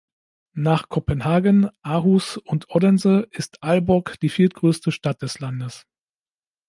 Nach Kopenhagen, Aarhus und Odense ist Aalborg die viertgrößte Stadt des Landes.